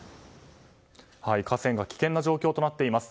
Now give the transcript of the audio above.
河川が危険な状況となっています。